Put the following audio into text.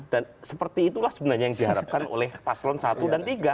dan seperti itulah sebenarnya yang diharapkan oleh paslon satu dan tiga